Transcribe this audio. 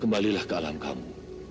kembalilah ke alam kamu